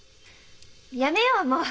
やめようもう。